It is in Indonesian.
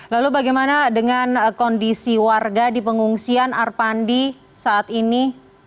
lalu bagaimana dengan kondisi warga di pengungsian arpandi saat ini